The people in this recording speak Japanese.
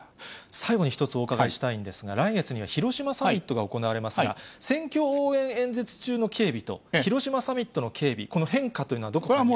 最後に一つお伺いしたいんですが、来月には広島サミットが行われますが、選挙応援演説中の警備と、広島サミットの警備、この変化というのはどこにありますか。